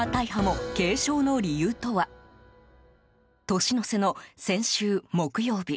年の瀬の先週木曜日。